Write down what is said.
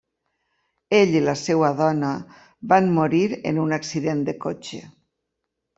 Ell i la seva dona van morir en un accident de cotxe.